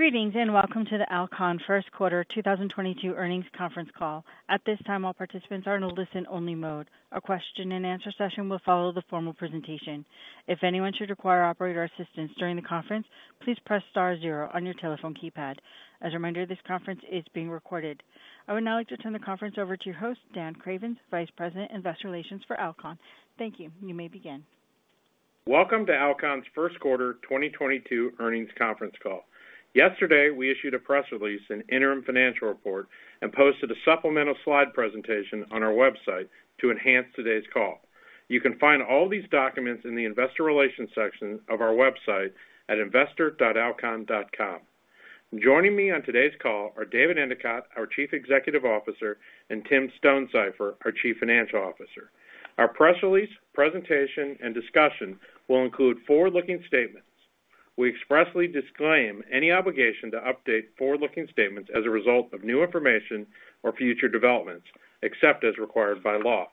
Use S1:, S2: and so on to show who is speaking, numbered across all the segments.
S1: Greetings, and welcome to the Alcon Q1 2022 Earnings Conference Call. At this time, all participants are in a listen only mode. A question-and-answer session will follow the formal presentation. If anyone should require operator assistance during the conference, please press star zero on your telephone keypad. As a reminder, this conference is being recorded. I would now like to turn the conference over to your host, Dan Cravens, Vice President, Investor Relations for Alcon. Thank you. You may begin.
S2: Welcome to Alcon's Q1 2022 Earnings Conference Call. Yesterday, we issued a press release, an interim financial report, and posted a supplemental slide presentation on our website to enhance today's call. You can find all these documents in the investor relations section of our website at investor.alcon.com. Joining me on today's call are David Endicott, our Chief Executive Officer, and Tim Stonesifer, our Chief Financial Officer. Our press release, presentation, and discussion will include forward-looking statements. We expressly disclaim any obligation to update forward-looking statements as a result of new information or future developments, except as required by law.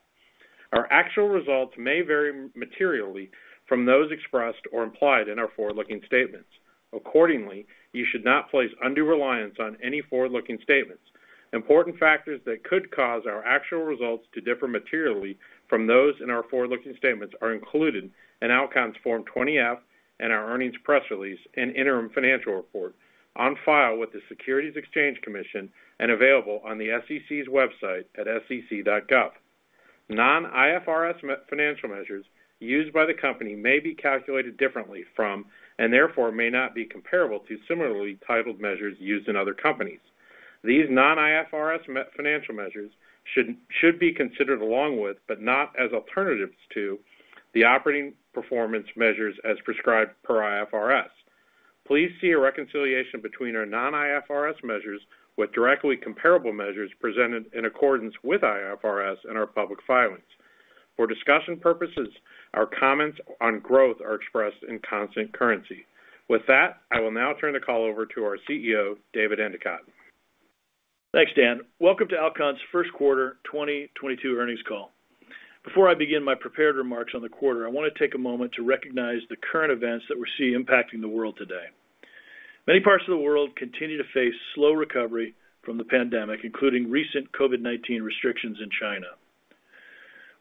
S2: Our actual results may vary materially from those expressed or implied in our forward-looking statements. Accordingly, you should not place undue reliance on any forward-looking statements. Important factors that could cause our actual results to differ materially from those in our forward-looking statements are included in Alcon's Form 20-F and our earnings press release and interim financial report on file with the Securities and Exchange Commission and available on the SEC's website at sec.gov. Non-IFRS financial measures used by the company may be calculated differently from, and therefore may not be comparable to, similarly titled measures used in other companies. These non-IFRS financial measures should be considered along with, but not as alternatives to, the operating performance measures as prescribed per IFRS. Please see a reconciliation between our non-IFRS measures with directly comparable measures presented in accordance with IFRS in our public filings. For discussion purposes, our comments on growth are expressed in constant currency. With that, I will now turn the call over to our CEO, David Endicott.
S3: Thanks, Dan. Welcome to Alcon's Q1 2022 earnings call. Before I begin my prepared remarks on the quarter, I wanna take a moment to recognize the current events that we're seeing impacting the world today. Many parts of the world continue to face slow recovery from the pandemic, including recent COVID-19 restrictions in China.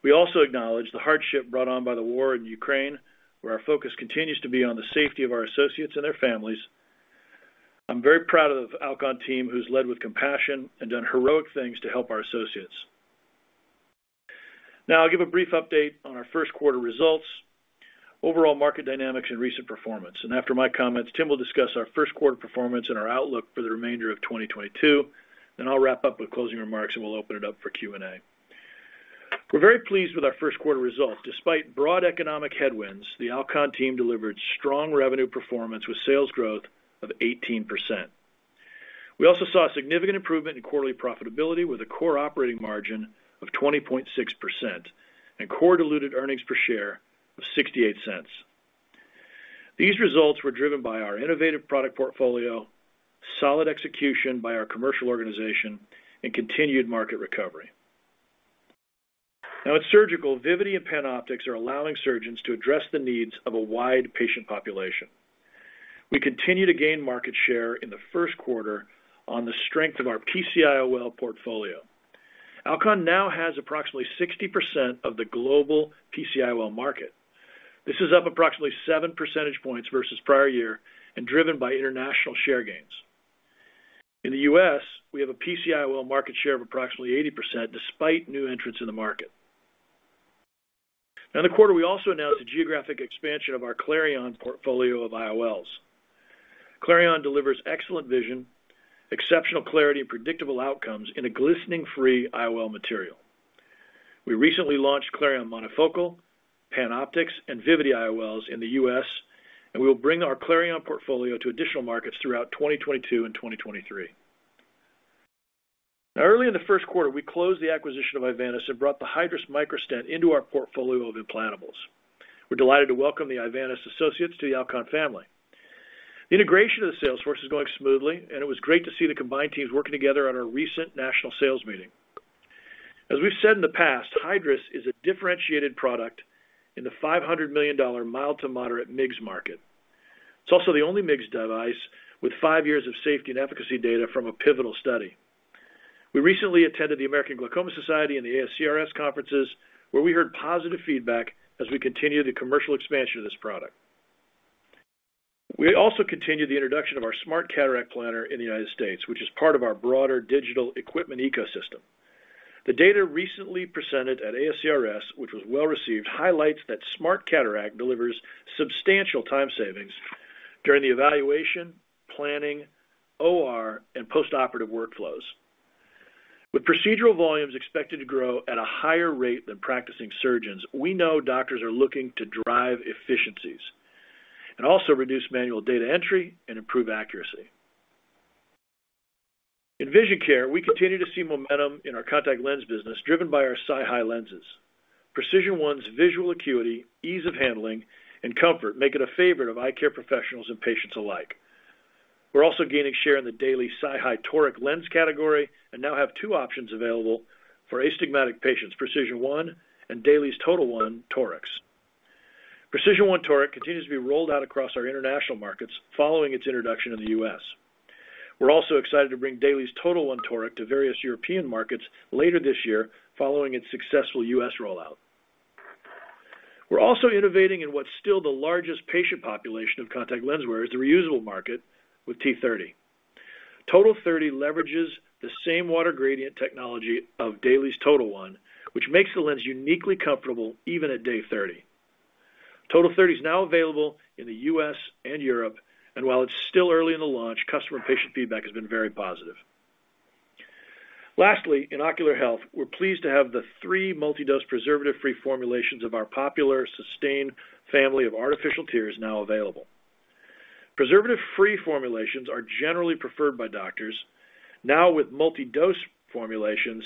S3: We also acknowledge the hardship brought on by the war in Ukraine, where our focus continues to be on the safety of our associates and their families. I'm very proud of Alcon team who's led with compassion and done heroic things to help our associates. Now I'll give a brief update on our Q1 results, overall market dynamics and recent performance. After my comments, Tim will discuss our Q1 performance and our outlook for the remainder of 2022. I'll wrap up with closing remarks, and we'll open it up for Q&A. We're very pleased with our Q1 results. Despite broad economic headwinds, the Alcon team delivered strong revenue performance with sales growth of 18%. We also saw a significant improvement in quarterly profitability with a core operating margin of 20.6% and core diluted earnings per share of $0.68. These results were driven by our innovative product portfolio, solid execution by our commercial organization, and continued market recovery. Now at surgical, Vivity and PanOptix are allowing surgeons to address the needs of a wide patient population. We continue to gain market share in the Q1 on the strength of our PCIOL portfolio. Alcon now has approximately 60% of the global PCIOL market. This is up approximately 7 percentage points versus prior year and driven by international share gains. In the U.S., we have a PCIOL market share of approximately 80% despite new entrants in the market. In the quarter, we also announced the geographic expansion of our Clareon portfolio of IOLs. Clareon delivers excellent vision, exceptional clarity, and predictable outcomes in a glistening-free IOL material. We recently launched Clareon monofocal, PanOptix, and Vivity IOLs in the U.S., and we will bring our Clareon portfolio to additional markets throughout 2022 and 2023. Now early in the Q1, we closed the acquisition of Ivantis and brought the Hydrus Microstent into our portfolio of implantables. We're delighted to welcome the Ivantis associates to the Alcon family. The integration of the sales force is going smoothly, and it was great to see the combined teams working together on our recent national sales meeting. As we've said in the past, Hydrus is a differentiated product in the $500 million mild to moderate MIGS market. It's also the only MIGS device with five years of safety and efficacy data from a pivotal study. We recently attended the American Glaucoma Society and the ASCRS conferences, where we heard positive feedback as we continue the commercial expansion of this product. We also continued the introduction of our SMARTCataract Planner in the United States, which is part of our broader digital equipment ecosystem. The data recently presented at ASCRS, which was well received, highlights that SMARTCataract delivers substantial time savings during the evaluation, planning, OR, and post-operative workflows. With procedural volumes expected to grow at a higher rate than practicing surgeons, we know doctors are looking to drive efficiencies and also reduce manual data entry and improve accuracy. In vision care, we continue to see momentum in our contact lens business driven by our SiHy lenses. Precision1's visual acuity, ease of handling, and comfort make it a favorite of eye care professionals and patients alike. We're also gaining share in the daily SiHy Toric lens category and now have two options available for astigmatic patients, Precision1 and DAILIES TOTAL1 Torics. Precision1 Toric continues to be rolled out across our international markets following its introduction in the U.S. We're also excited to bring DAILIES TOTAL1 Toric to various European markets later this year following its successful U.S. rollout. We're also innovating in what's still the largest patient population of contact lens wearers, the reusable market, with TOTAL30. TOTAL30 leverages the same water gradient technology of DAILIES TOTAL1, which makes the lens uniquely comfortable even at day 30. TOTAL30 is now available in the U.S. and Europe, and while it's still early in the launch, customer patient feedback has been very positive. Lastly, in ocular health, we're pleased to have the three multi-dose preservative-free formulations of our popular Systane family of artificial tears now available. Preservative-free formulations are generally preferred by doctors. Now with multi-dose formulations,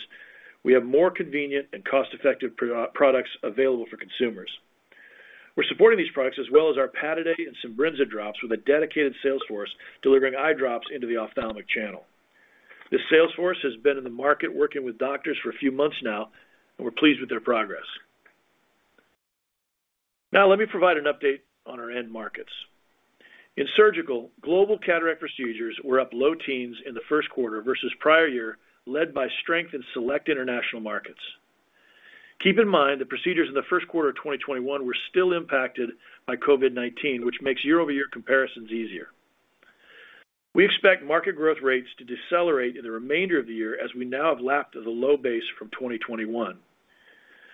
S3: we have more convenient and cost-effective products available for consumers. We're supporting these products as well as our Pataday and Simbrinza drops with a dedicated sales force delivering eye drops into the ophthalmic channel. This sales force has been in the market working with doctors for a few months now, and we're pleased with their progress. Now, let me provide an update on our end markets. In surgical, global cataract procedures were up low teens in the Q1 versus prior year, led by strength in select international markets. Keep in mind that procedures in the Q1 of 2021 were still impacted by COVID-19, which makes year-over-year comparisons easier. We expect market growth rates to decelerate in the remainder of the year as we now have lapped at a low base from 2021.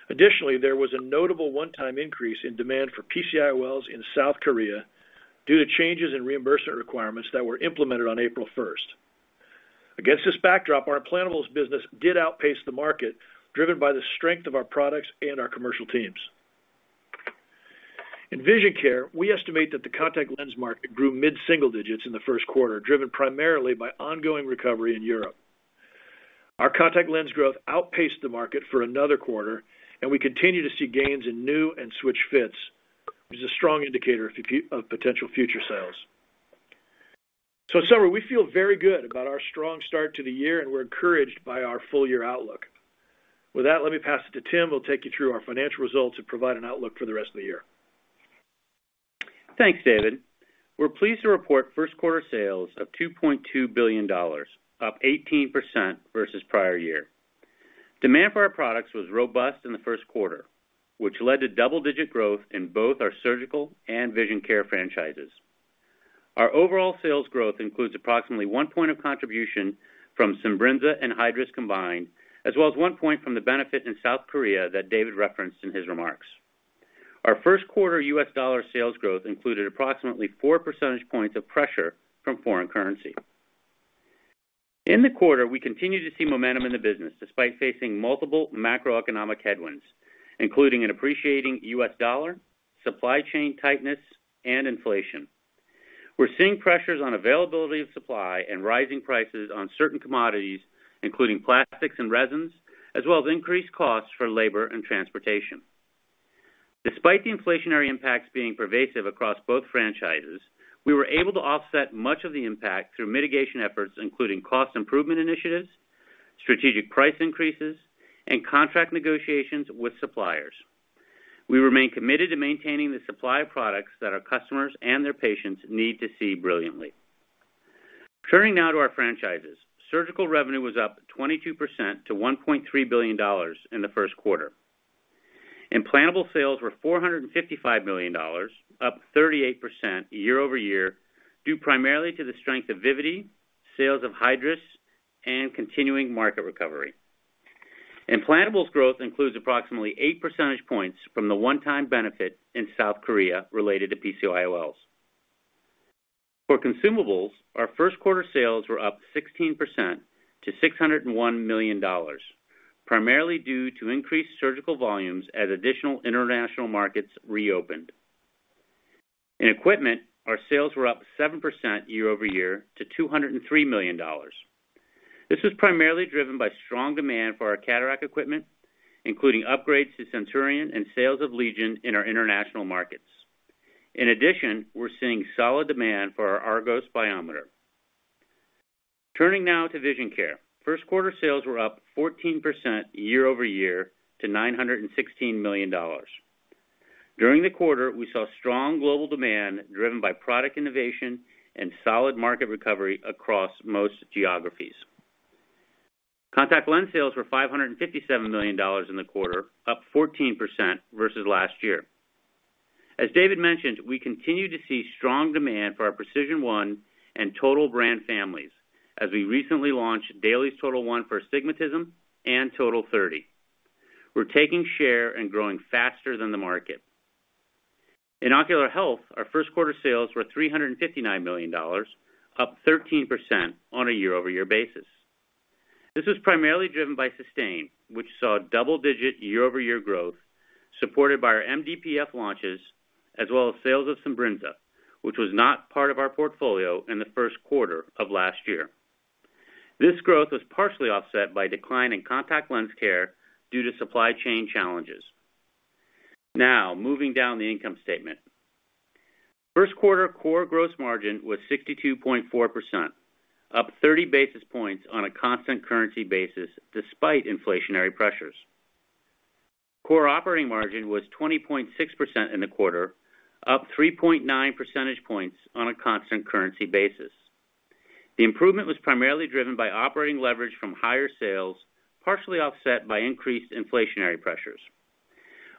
S3: Additionally, there was a notable one-time increase in demand for PCIOLs in South Korea due to changes in reimbursement requirements that were implemented on April 1st. Against this backdrop, our implantables business did outpace the market, driven by the strength of our products and our commercial teams. In vision care, we estimate that the contact lens market grew mid-single digits% in the Q1, driven primarily by ongoing recovery in Europe. Our contact lens growth outpaced the market for another quarter, and we continue to see gains in new and switch fits, which is a strong indicator of potential future sales. In summary, we feel very good about our strong start to the year, and we're encouraged by our full year outlook. With that, let me pass it to Tim, who will take you through our financial results and provide an outlook for the rest of the year.
S4: Thanks, David. We're pleased to report Q1 sales of $2.2 billion, up 18% versus prior year. Demand for our products was robust in the Q1, which led to double-digit growth in both our surgical and vision care franchises. Our overall sales growth includes approximately 1 point of contribution from Simbrinza and Hydrus combined, as well as 1 point from the benefit in South Korea that David referenced in his remarks. Our Q1 US dollar sales growth included approximately 4 percentage points of pressure from foreign currency. In the quarter, we continued to see momentum in the business despite facing multiple macroeconomic headwinds, including an appreciating US dollar, supply chain tightness, and inflation. We're seeing pressures on availability of supply and rising prices on certain commodities, including plastics and resins, as well as increased costs for labor and transportation. Despite the inflationary impacts being pervasive across both franchises, we were able to offset much of the impact through mitigation efforts, including cost improvement initiatives, strategic price increases, and contract negotiations with suppliers. We remain committed to maintaining the supply of products that our customers and their patients need to see brilliantly. Turning now to our franchises, surgical revenue was up 22% to $1.3 billion in the Q1. Implantable sales were $455 million, up 38% year-over-year, due primarily to the strength of Vivity, sales of Hydrus, and continuing market recovery. Implantables growth includes approximately 8 percentage points from the one-time benefit in South Korea related to PCIOLs. For consumables, our Q1 sales were up 16% to $601 million, primarily due to increased surgical volumes as additional international markets reopened. In equipment, our sales were up 7% year-over-year to $203 million. This was primarily driven by strong demand for our cataract equipment, including upgrades to Centurion and sales of Legion in our international markets. In addition, we're seeing solid demand for our ARGOS biometer. Turning now to vision care. Q1 sales were up 14% year-over-year to $916 million. During the quarter, we saw strong global demand driven by product innovation and solid market recovery across most geographies. Contact lens sales were $557 million in the quarter, up 14% versus last year. As David mentioned, we continue to see strong demand for our PRECISION1 and TOTAL brand families as we recently launched DAILIES TOTAL1 for astigmatism and TOTAL30. We're taking share and growing faster than the market. In ocular health, our Q1 sales were $359 million, up 13% on a year-over-year basis. This was primarily driven by Systane, which saw double-digit year-over-year growth supported by our MDPF launches, as well as sales of Simbrinza, which was not part of our portfolio in the Q1 of last year. This growth was partially offset by decline in contact lens care due to supply chain challenges. Now, moving down the income statement. Q1 core gross margin was 62.4%, up 30 basis points on a constant currency basis despite inflationary pressures. Core operating margin was 20.6% in the quarter, up 3.9 percentage points on a constant currency basis. The improvement was primarily driven by operating leverage from higher sales, partially offset by increased inflationary pressures.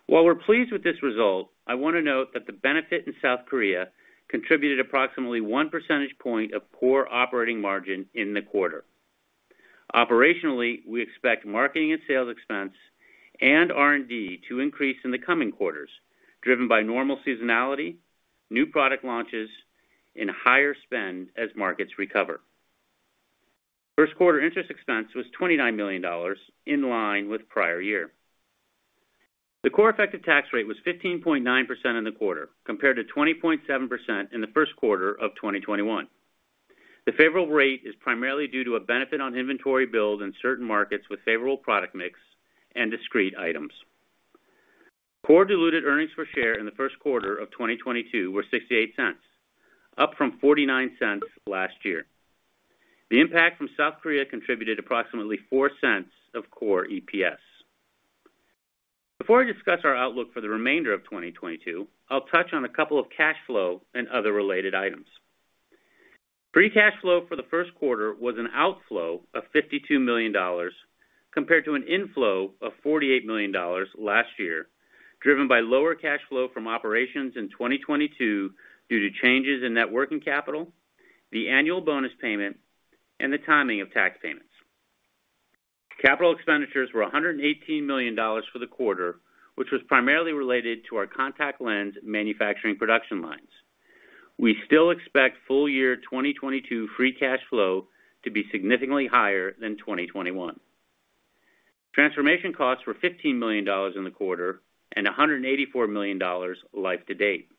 S4: While we're pleased with this result, I wanna note that the benefit in South Korea contributed approximately 1 percentage point of core operating margin in the quarter. Operationally, we expect marketing and sales expense and R&D to increase in the coming quarters, driven by normal seasonality, new product launches, and higher spend as markets recover. Q1 interest expense was $29 million, in line with prior year. The core effective tax rate was 15.9% in the quarter, compared to 20.7% in the Q1 of 2021. The favorable rate is primarily due to a benefit on inventory build in certain markets with favorable product mix and discrete items. Core diluted earnings per share in the Q1 of 2022 were $0.68, up from $0.49 last year. The impact from South Korea contributed approximately $0.04 of core EPS. Before I discuss our outlook for the remainder of 2022, I'll touch on a couple of cash flow and other related items. Free cash flow for the Q1 was an outflow of $52 million compared to an inflow of $48 million last year, driven by lower cash flow from operations in 2022 due to changes in net working capital, the annual bonus payment, and the timing of tax payments. Capital expenditures were $118 million for the quarter, which was primarily related to our contact lens manufacturing production lines. We still expect full-year 2022 free cash flow to be significantly higher than 2021. Transformation costs were $15 million in the quarter and $184 million life to date.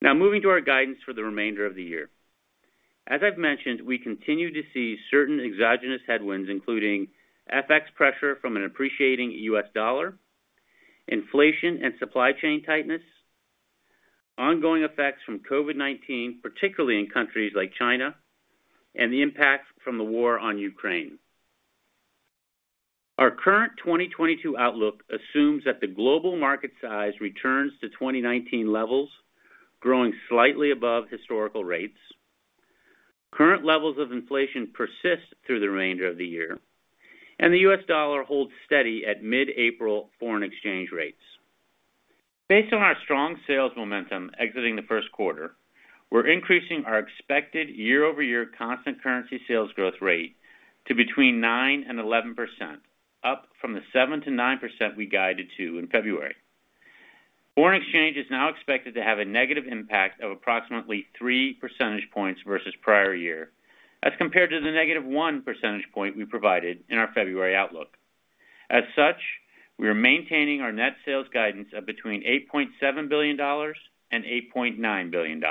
S4: Now moving to our guidance for the remainder of the year. As I've mentioned, we continue to see certain exogenous headwinds, including FX pressure from an appreciating US dollar, inflation and supply chain tightness, ongoing effects from COVID-19, particularly in countries like China, and the impact from the war on Ukraine. Our current 2022 outlook assumes that the global market size returns to 2019 levels, growing slightly above historical rates. Current levels of inflation persist through the remainder of the year, and the US dollar holds steady at mid-April foreign exchange rates. Based on our strong sales momentum exiting the Q1, we're increasing our expected year-over-year constant currency sales growth rate to between 9% and 11%, up from the 7% to 9% we guided to in February. Foreign exchange is now expected to have a negative impact of approximately 3 percentage points versus prior year, as compared to the -1 percentage point we provided in our February outlook. As such, we are maintaining our net sales guidance of between $8.7 billion and $8.9 billion.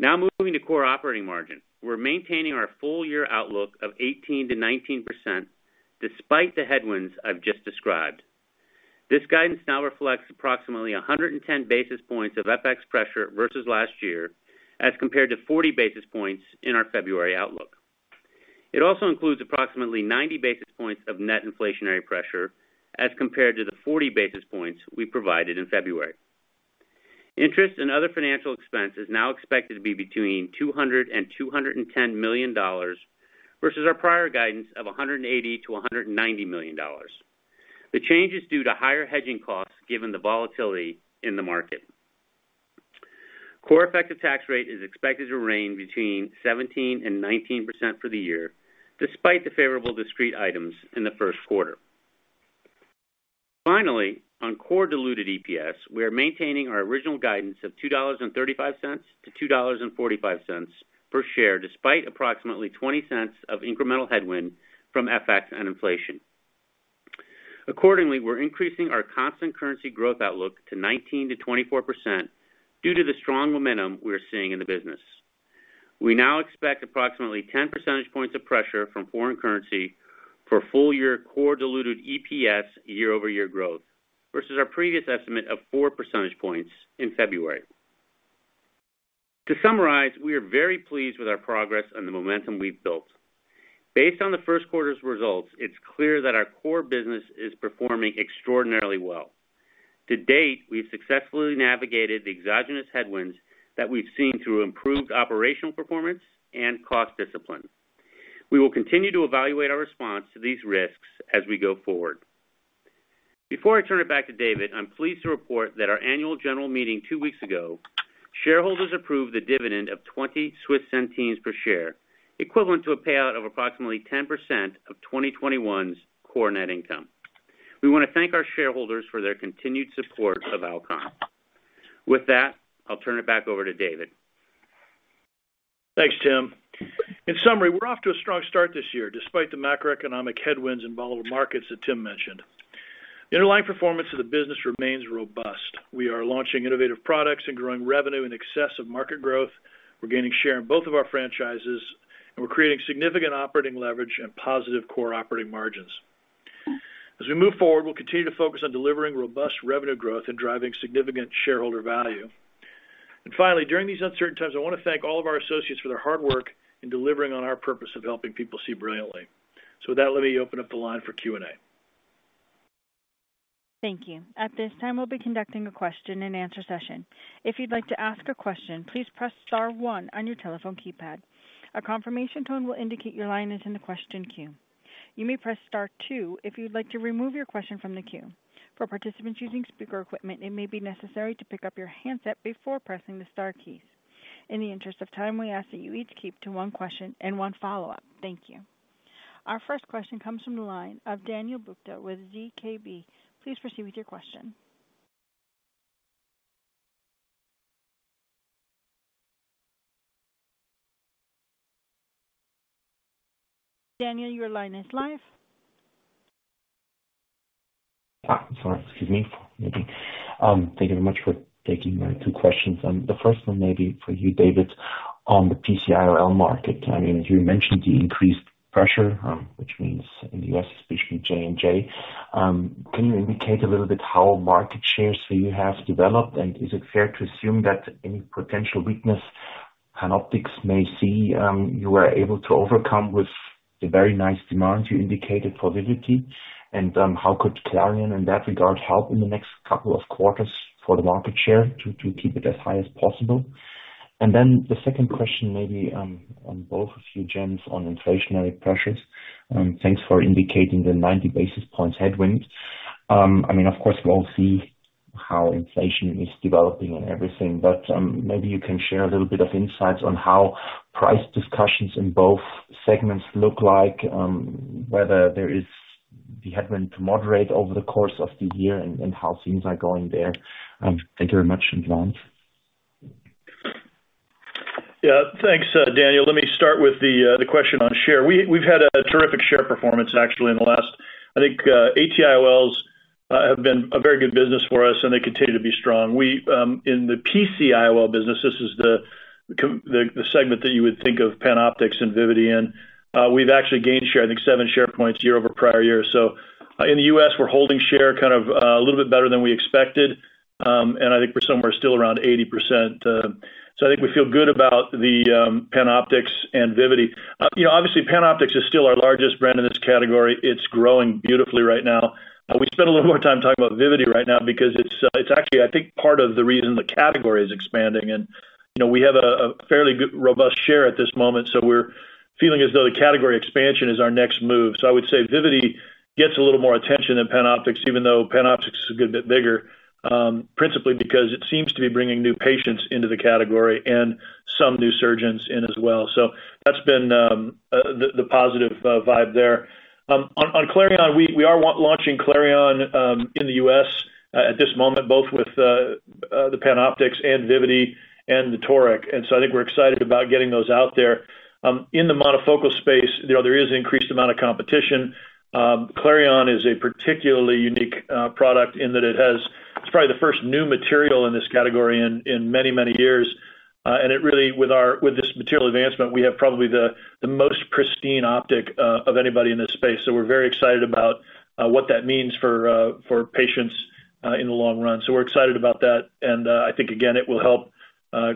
S4: Now moving to core operating margin. We're maintaining our full year outlook of 18% to 19% despite the headwinds I've just described. This guidance now reflects approximately 110 basis points of FX pressure versus last year, as compared to 40 basis points in our February outlook. It also includes approximately 90 basis points of net inflationary pressure, as compared to the 40 basis points we provided in February. Interest and other financial expense is now expected to be between $200 million and $210 million versus our prior guidance of $180 million to $190 million. The change is due to higher hedging costs given the volatility in the market. Core effective tax rate is expected to range between 17% to 19% for the year, despite the favorable discrete items in the Q1. Finally, on core diluted EPS, we are maintaining our original guidance of $2.35 to $2.45 per share, despite approximately $0.20 of incremental headwind from FX and inflation. Accordingly, we're increasing our constant currency growth outlook to 19% to 24% due to the strong momentum we're seeing in the business. We now expect approximately 10 percentage points of pressure from foreign currency for full year core diluted EPS year-over-year growth versus our previous estimate of 4 percentage points in February. To summarize, we are very pleased with our progress and the momentum we've built. Based on the Q1's results, it's clear that our core business is performing extraordinarily well. To date, we've successfully navigated the exogenous headwinds that we've seen through improved operational performance and cost discipline. We will continue to evaluate our response to these risks as we go forward. Before I turn it back to David, I'm pleased to report that our annual general meeting 2 weeks ago. Shareholders approved the dividend of 0.20 per share, equivalent to a payout of approximately 10% of 2021's core net income. We wanna thank our shareholders for their continued support of Alcon. With that, I'll turn it back over to David.
S3: Thanks, Tim. In summary, we're off to a strong start this year, despite the macroeconomic headwinds and volatile markets that Tim mentioned. The underlying performance of the business remains robust. We are launching innovative products and growing revenue in excess of market growth, we're gaining share in both of our franchises, and we're creating significant operating leverage and positive core operating margins. As we move forward, we'll continue to focus on delivering robust revenue growth and driving significant shareholder value. Finally, during these uncertain times, I wanna thank all of our associates for their hard work in delivering on our purpose of helping people see brilliantly. With that, let me open up the line for Q&A.
S1: Thank you. At this time, we'll be conducting a question-and-answer session. If you'd like to ask a question, please press star one on your telephone keypad. A confirmation tone will indicate your line is in the question queue. You may press star two if you'd like to remove your question from the queue. For participants using speaker equipment, it may be necessary to pick up your handset before pressing the star keys. In the interest of time, we ask that you each keep to one question and one follow-up. Thank you. Our first question comes from the line of Daniel Buchta with ZKB. Please proceed with your question. Daniel, your line is live.
S5: I'm sorry. Excuse me. Thank you very much for taking my two questions. The first one may be for you, David, on the PCIOL market. I mean, you mentioned the increased pressure, which means in the U.S., especially J&J. Can you indicate a little bit how market shares for you have developed? Is it fair to assume that any potential weakness PanOptix may see, you are able to overcome with the very nice demand you indicated for Vivity? How could Clareon in that regard help in the next couple of quarters for the market share to keep it as high as possible? Then the second question may be on both of you, gents, on inflationary pressures. Thanks for indicating the 90 basis points headwinds. I mean, of course, we'll see how inflation is developing and everything, but maybe you can share a little bit of insights on how price discussions in both segments look like, whether there is the headwind to moderate over the course of the year and how things are going there. Thank you very much in advance.
S3: Yeah. Thanks, Daniel. Let me start with the question on share. We've had a terrific share performance actually. I think ATIOLs have been a very good business for us, and they continue to be strong. In the PCIOL business, this is the segment that you would think of PanOptix and Vivity in, we've actually gained share, I think 7 share points year-over-prior year. In the U.S., we're holding share kind of a little bit better than we expected. I think we're somewhere still around 80%. I think we feel good about the PanOptix and Vivity. You know, obviously, PanOptix is still our largest brand in this category. It's growing beautifully right now. We spend a little more time talking about Vivity right now because it's actually, I think, part of the reason the category is expanding. You know, we have a fairly good, robust share at this moment, so we're feeling as though the category expansion is our next move. I would say Vivity gets a little more attention than PanOptix, even though PanOptix is a good bit bigger, principally because it seems to be bringing new patients into the category and some new surgeons in as well. That's been the positive vibe there. On Clareon, we are launching Clareon in the U.S. at this moment, both with the PanOptix and Vivity and the Toric, and so I think we're excited about getting those out there. In the monofocal space, you know, there is increased amount of competition. Clareon is a particularly unique product in that it has. It's probably the first new material in this category in many years. And it really, with this material advancement, we have probably the most pristine optic of anybody in this space. We're very excited about what that means for for patients in the long run. We're excited about that, and I think again, it will help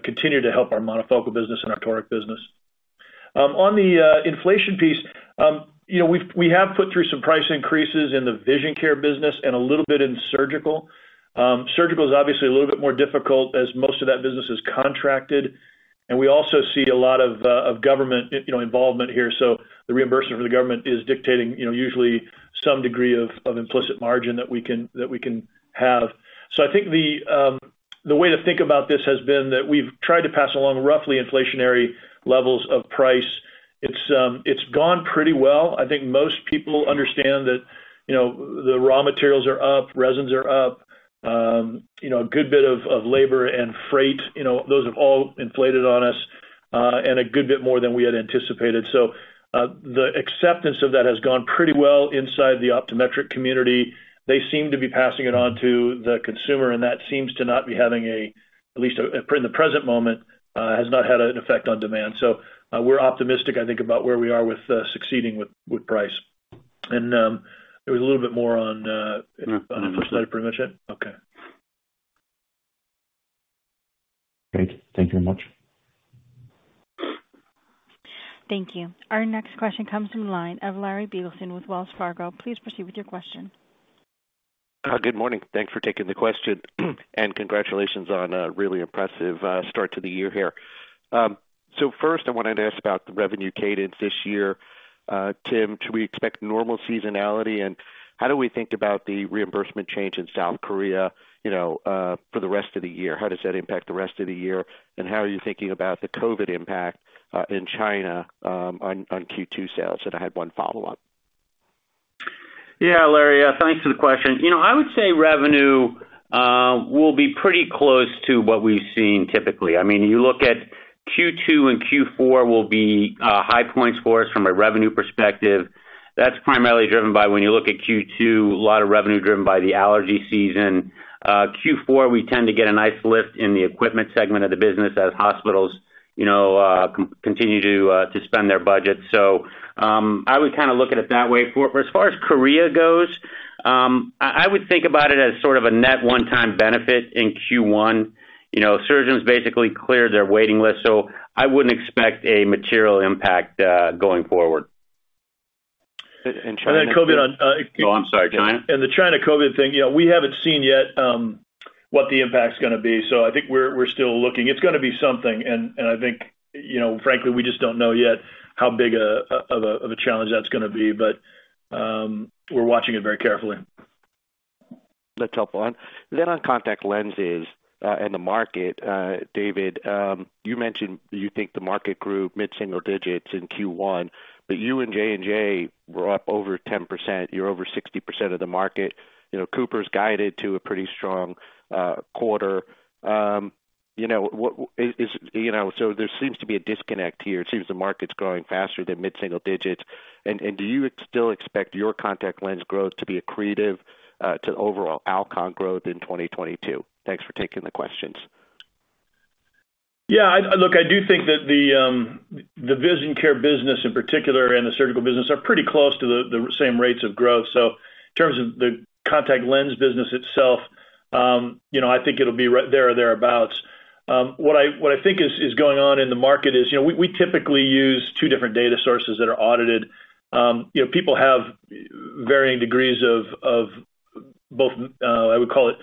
S3: continue to help our monofocal business and our Toric business. On the inflation piece, you know, we have put through some price increases in the vision care business and a little bit in surgical. Surgical is obviously a little bit more difficult as most of that business is contracted, and we also see a lot of government, you know, involvement here. The reimbursement for the government is dictating, you know, usually some degree of implicit margin that we can have. I think the way to think about this has been that we've tried to pass along roughly inflationary levels of price. It's gone pretty well. I think most people understand that, you know, the raw materials are up, resins are up, you know, a good bit of labor and freight, you know, those have all inflated on us, and a good bit more than we had anticipated. The acceptance of that has gone pretty well inside the optometric community. They seem to be passing it on to the consumer, and that seems to not be having, in the present moment, has not had an effect on demand. We're optimistic, I think, about where we are with succeeding with price. On the first slide. Pretty much it? Okay.
S5: Great. Thank you very much.
S1: Thank you. Our next question comes from the line of Larry Biegelsen with Wells Fargo. Please proceed with your question.
S6: Good morning. Thanks for taking the question. Congratulations on a really impressive start to the year here. First, I wanted to ask about the revenue cadence this year. Tim, should we expect normal seasonality, and how do we think about the reimbursement change in South Korea, you know, for the rest of the year? How does that impact the rest of the year, and how are you thinking about the COVID impact in China on Q2 sales? I had one follow-up.
S4: Yeah. Larry, thanks for the question. You know, I would say revenue will be pretty close to what we've seen typically. I mean, you look at Q2 and Q4 will be high points for us from a revenue perspective. That's primarily driven by when you look at Q2, a lot of revenue driven by the allergy season. Q4, we tend to get a nice lift in the equipment segment of the business as hospitals, you know, continue to spend their budget. I would kinda look at it that way. For as far as Korea goes I would think about it as sort of a net one-time benefit in Q1. You know, surgeons basically cleared their waiting list, so I wouldn't expect a material impact, going forward.
S6: And China-
S3: COVID on.
S4: Oh, I'm sorry. China?
S3: The China COVID thing. We haven't seen yet what the impact's gonna be. I think we're still looking. It's gonna be something and I think, you know, frankly, we just don't know yet how big of a challenge that's gonna be. We're watching it very carefully.
S6: That's helpful. Then on contact lenses and the market, David, you mentioned you think the market grew mid-single digits in Q1, but you and J&J were up over 10%. You're over 60% of the market. You know, CooperCompanies' guided to a pretty strong quarter. You know, so there seems to be a disconnect here. It seems the market's growing faster than mid-single digits. Do you still expect your contact lens growth to be accretive to overall Alcon growth in 2022? Thanks for taking the questions.
S3: Yeah, I do think that the vision care business in particular and the surgical business are pretty close to the same rates of growth. In terms of the contact lens business itself, you know, I think it'll be right there or thereabouts. What I think is going on in the market is, you know, we typically use two different data sources that are audited. People have varying degrees of both, I would call it,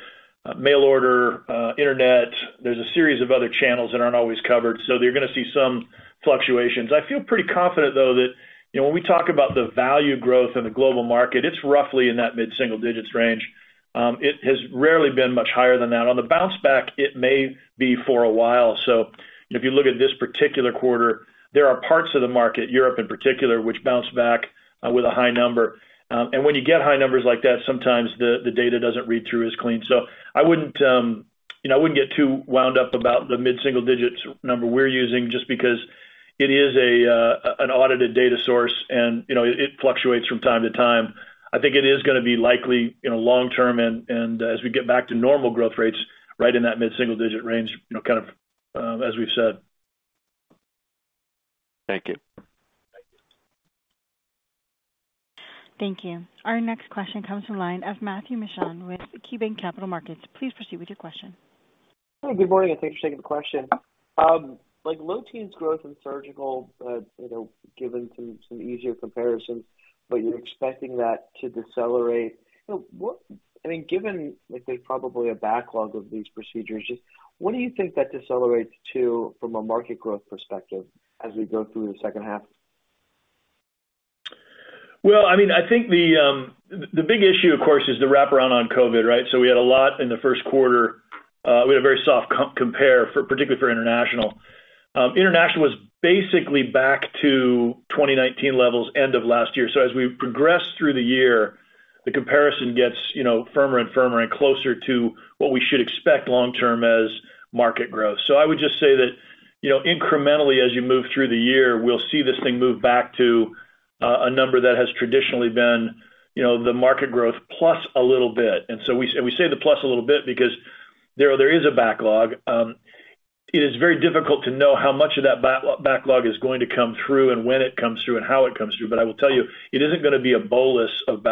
S3: mail order, internet. There's a series of other channels that aren't always covered, so you're gonna see some fluctuations. I feel pretty confident, though, that, you know, when we talk about the value growth in the global market, it's roughly in that mid-single digits range. It has rarely been much higher than that. On the bounce back, it may be for a while. If you look at this particular quarter, there are parts of the market, Europe in particular, which bounce back with a high number. When you get high numbers like that, sometimes the data doesn't read through as clean. I wouldn't get too wound up about the mid-single digits number we're using just because it is an audited data source, and you know, it fluctuates from time to time. I think it is gonna be likely, you know, long term, and as we get back to normal growth rates, right in that mid-single digit range, you know, kind of, as we've said.
S6: Thank you.
S1: Thank you. Our next question comes from line of Matthew Mishan with KeyBanc Capital Markets. Please proceed with your question.
S7: Hi, good morning. Thanks for taking the question. Like low teens growth in surgical, you know, given some easier comparisons, but you're expecting that to decelerate. I mean, given, I think, probably a backlog of these procedures, just what do you think that decelerates to from a market growth perspective as we go through the H2?
S3: Well, I mean, I think the big issue, of course, is the wraparound on COVID, right? We had a lot in the Q1. We had a very soft compare for, particularly for international. International was basically back to 2019 levels end of last year. As we progress through the year, the comparison gets, you know, firmer and firmer and closer to what we should expect long term as market growth. I would just say that, you know, incrementally, as you move through the year, we'll see this thing move back to a number that has traditionally been, you know, the market growth plus a little bit. We say the plus a little bit because there is a backlog. It is very difficult to know how much of that backlog is going to come through and when it comes through and how it comes through. I will tell you, it isn't gonna be a bolus of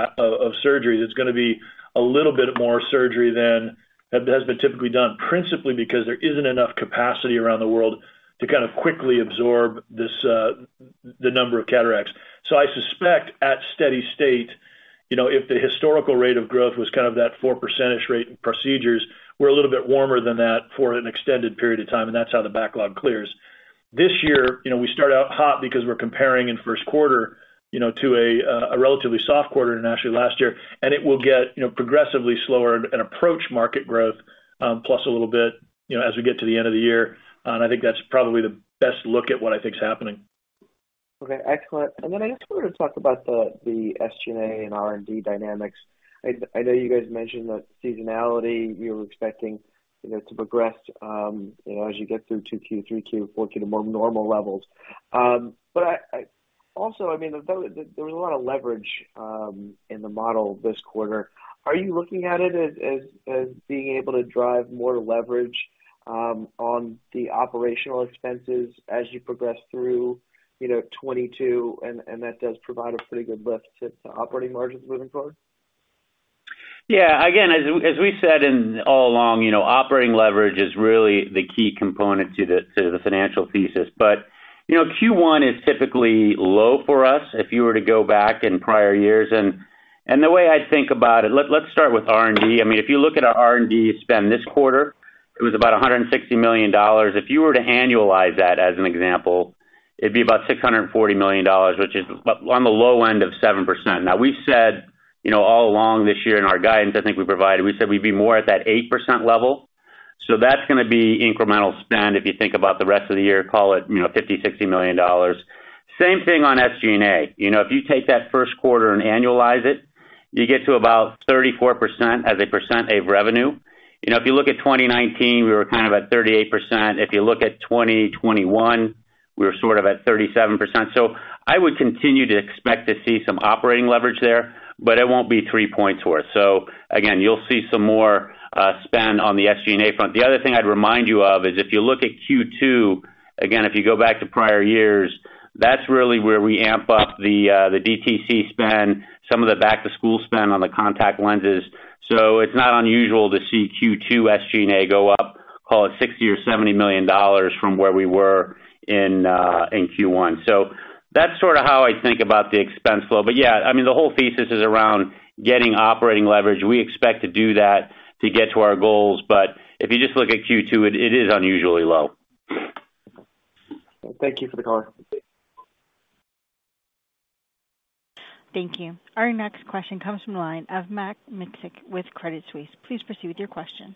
S3: surgery. It's gonna be a little bit more surgery than has been typically done, principally because there isn't enough capacity around the world to kind of quickly absorb this, the number of cataracts. I suspect at steady state, you know, if the historical rate of growth was kind of that 4% rate in procedures, we're a little bit warmer than that for an extended period of time, and that's how the backlog clears. This year, you know, we start out hot because we're comparing in Q1, you know, to a relatively soft quarter internationally last year, and it will get, you know, progressively slower and approach market growth, plus a little bit, you know, as we get to the end of the year. I think that's probably the best look at what I think is happening.
S7: Okay. Excellent. I just wanted to talk about the SG&A and R&D dynamics. I know you guys mentioned that seasonality you're expecting, you know, to progress as you get through 2Q, 3Q, 4Q to more normal levels. I also, I mean, there was a lot of leverage in the model this quarter. Are you looking at it as being able to drive more leverage on the operational expenses as you progress through, you know, 2022, and that does provide a pretty good lift to operating margins moving forward?
S4: Yeah. Again, as we said all along, you know, operating leverage is really the key component to the financial thesis. You know, Q1 is typically low for us if you were to go back in prior years. The way I think about it, let's start with R&D. I mean, if you look at our R&D spend this quarter, it was about $160 million. If you were to annualize that as an example, it'd be about $640 million, which is on the low end of 7%. Now, we said, you know, all along this year in our guidance, I think we provided, we said we'd be more at that 8% level. That's gonna be incremental spend if you think about the rest of the year, call it, you know, $50 million to $60 million. Same thing on SG&A. You know, if you take that Q1 and annualize it, you get to about 34% as a percent of revenue. You know, if you look at 2019, we were kind of at 38%. If you look at 2021, we were sort of at 37%. I would continue to expect to see some operating leverage there, but it won't be three points worth. Again, you'll see some more spend on the SG&A front. The other thing I'd remind you of is if you look at Q2, again, if you go back to prior years. That's really where we amp up the DTC spend, some of the back-to-school spend on the contact lenses. It's not unusual to see Q2 SG&A go up, call it $60 million to $70 million from where we were in Q1. That's sort of how I think about the expense flow. Yeah, I mean, the whole thesis is around getting operating leverage. We expect to do that to get to our goals. If you just look at Q2, it is unusually low.
S7: Thank you for the call.
S1: Thank you. Our next question comes from the line of Matt Miksic with Credit Suisse. Please proceed with your question.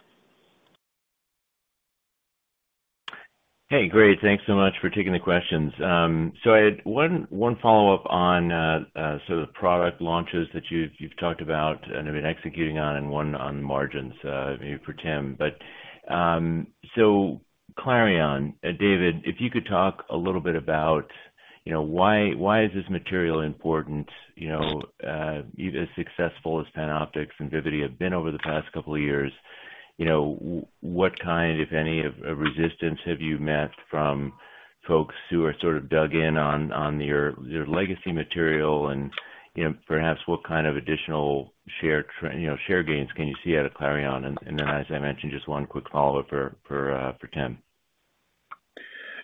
S8: Hey, great. Thanks so much for taking the questions. I had one follow-up on the product launches that you've talked about and have been executing on and one on margins, maybe for Tim. Clareon, David, if you could talk a little bit about, you know, why is this material important, you know, as successful as PanOptix and Vivity have been over the past couple of years. You know, what kind, if any, of resistance have you met from folks who are sort of dug in on your legacy material? And, you know, perhaps what kind of additional share gains can you see out of Clareon? And then as I mentioned, just one quick follow-up for Tim.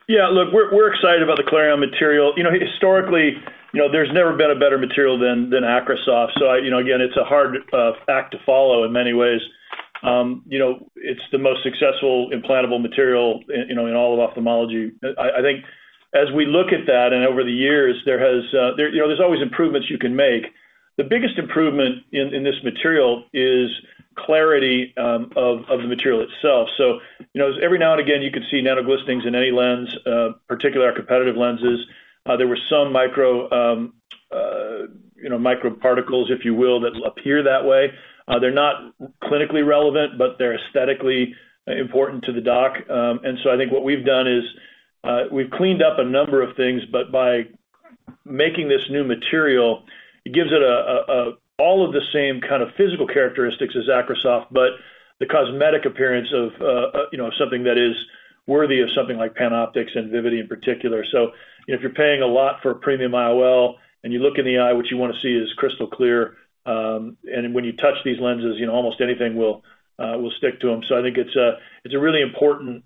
S3: Yeah. Look, we're excited about the Clareon material. You know, historically, you know, there's never been a better material than AcrySof. You know, again, it's a hard act to follow in many ways. You know, it's the most successful implantable material in, you know, in all of ophthalmology. I think as we look at that and over the years, there's always improvements you can make. The biggest improvement in this material is clarity of the material itself. You know, every now and again, you can see glistenings in any lens, particularly our competitive lenses. There were some microparticles, if you will, that appear that way. They're not clinically relevant, but they're aesthetically important to the doc. I think what we've done is we've cleaned up a number of things, but by making this new material, it gives it all of the same kind of physical characteristics as AcrySof, but the cosmetic appearance of, you know, something that is worthy of something like PanOptix and Vivity in particular. If you're paying a lot for a premium IOL and you look in the eye, what you wanna see is crystal clear. When you touch these lenses, you know, almost anything will stick to them. I think it's a really important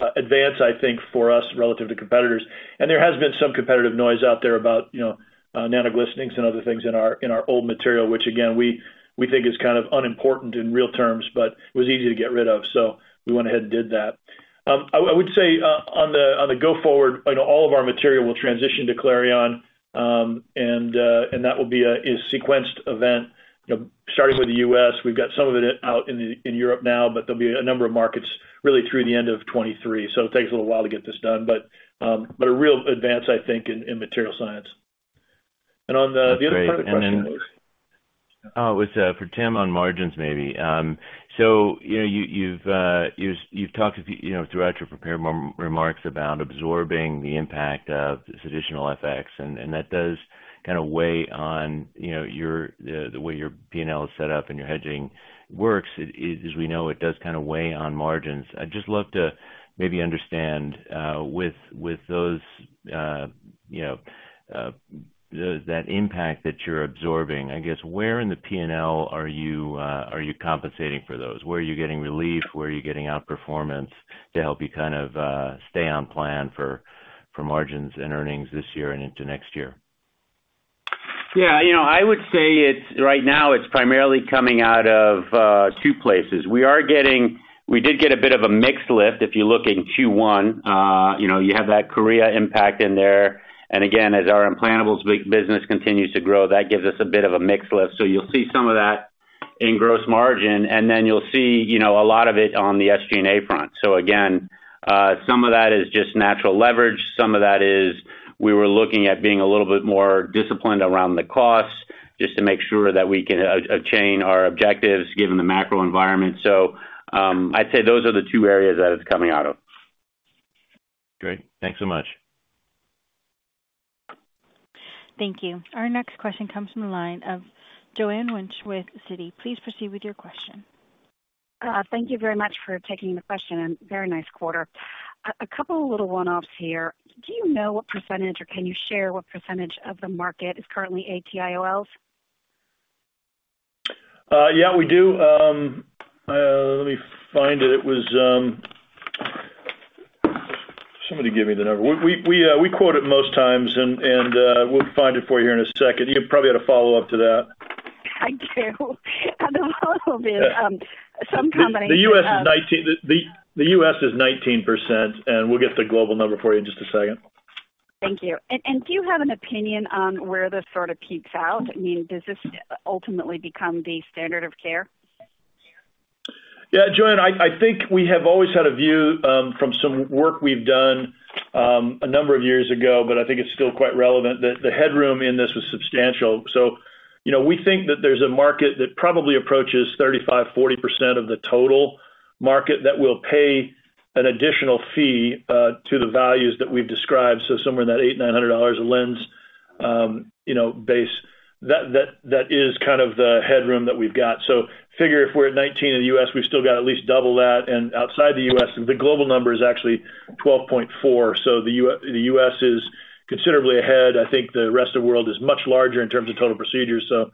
S3: advance, I think, for us relative to competitors. There has been some competitive noise out there about, you know, nanoglistenings and other things in our old material, which again, we think is kind of unimportant in real terms, but it was easy to get rid of, so we went ahead and did that. I would say on the going forward, you know, all of our material will transition to Clareon, and that will be a sequenced event, you know, starting with the U.S. We've got some of it out in Europe now, but there'll be a number of markets really through the end of 2023. It takes a little while to get this done, but a real advance, I think, in material science.
S8: That's great.
S3: The other part of the question was.
S8: It was for Tim on margins maybe. So, you know, you've talked a few, you know, throughout your prepared remarks about absorbing the impact of this additional FX, and that does kinda weigh on, you know, the way your P&L is set up and your hedging works. As we know, it does kinda weigh on margins. I'd just love to maybe understand with those, you know, that impact that you're absorbing, I guess, where in the P&L are you compensating for those? Where are you getting relief? Where are you getting outperformance to help you kind of stay on plan for margins and earnings this year and into next year?
S4: Yeah. You know, I would say it's right now it's primarily coming out of two places. We did get a bit of a mix lift. If you look in Q1, you know, you have that Korea impact in there. Again, as our implantables business continues to grow, that gives us a bit of a mix lift. You'll see some of that in gross margin, and then you'll see, you know, a lot of it on the SG&A front. Again, some of that is just natural leverage. Some of that is we were looking at being a little bit more disciplined around the costs just to make sure that we can achieve our objectives given the macro environment. I'd say those are the two areas that it's coming out of.
S8: Great. Thanks so much.
S1: Thank you. Our next question comes from the line of Joanne Wuensch with Citi. Please proceed with your question.
S9: Thank you very much for taking the question, and very nice quarter. A couple of little one-offs here. Do you know what percentage or can you share what percentage of the market is currently ATIOLs?
S3: Yeah, we do. Let me find it. It was. Somebody give me the number. We quote it most times and we'll find it for you here in a second. You probably had a follow-up to that.
S9: I do. Some combination of
S3: The US is 19%, and we'll get the global number for you in just a second.
S9: Thank you. Do you have an opinion on where this sort of peaks out? I mean, does this ultimately become the standard of care?
S3: Yeah, Joanne, I think we have always had a view, from some work we've done, a number of years ago, but I think it's still quite relevant, that the headroom in this was substantial. You know, we think that there's a market that probably approaches 35% to 40% of the total market that will pay an additional fee, to the values that we've described, so somewhere in that $800 to $900 a lens. You know, base. That is kind of the headroom that we've got. Figure if we're at $19 in the U.S., we've still got at least double that. Outside the U.S., the global number is actually $12.4. The U.S. is considerably ahead. I think the rest of the world is much larger in terms of total procedures, so